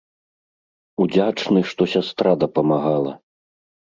Удзячны, што сястра дапамагала.